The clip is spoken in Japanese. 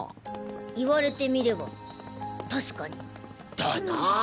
言われてみれば確かに。だな。